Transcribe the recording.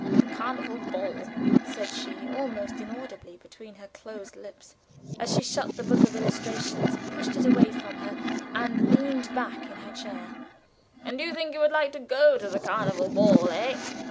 "The Carnival Ball," said she, almost inaudibly, between her closed lips, as she shut the book of illustrations, pushed it away from her, and leaned back in her chair. "And you think you would like to go to the Carnival Ball, hey?"